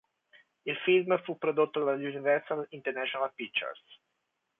Il film fu prodotto dall'Universal International Pictures.